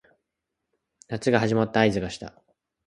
夏が始まった合図がした